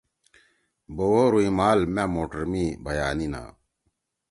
بوَو رُئمال مأ موٹر می بھئیانیِنا